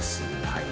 はい。